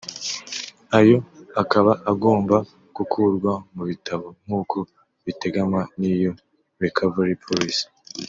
ayo akaba agomba gukurwa mu bitabo nk’uko biteganywa n’iyo ‘Recovery policy’